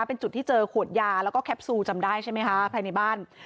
เป็นจุดที่เจอขวดยาแล้วก็แคปซูลจำได้ใช่ไหมคะภายในบ้าน